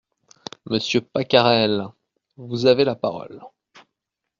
Monsieur Pacarel… vous avez la parole…